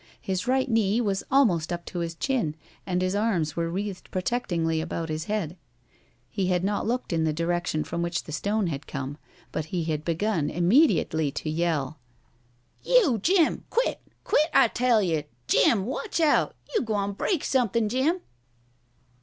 His right knee was almost up to his chin, and his arms were wreathed protectingly about his head. He had not looked in the direction from which the stone had come, but he had begun immediately to yell: [Illustration: "'YOU JIM! QUIT! QUIT, I TELL YER!'"] "You Jim! Quit! Quit, I tell yer, Jim! Watch out! You gwine break somethin', Jim!"